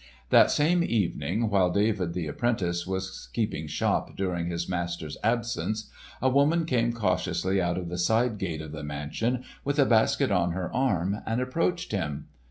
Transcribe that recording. That same evening while David the apprentice was keeping shop during his master's absence, a woman came cautiously out of the side gate of the mansion with a basket on her arm, and approached him.